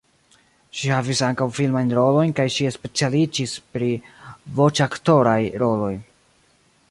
Ŝi havis ankaŭ filmajn rolojn kaj ŝi specialiĝis pri voĉaktoraj roloj.